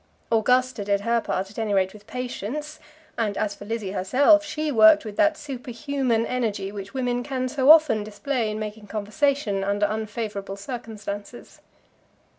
Augusta did her part at any rate with patience; and as for Lizzie herself, she worked with that superhuman energy which women can so often display in making conversation under unfavourable circumstances.